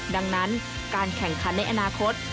ดังนั้นการแข่งขันในอนาคต